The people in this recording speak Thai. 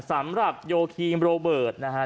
สำหรับโยธิโมเบิร์ดนะครับ